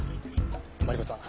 マリコさん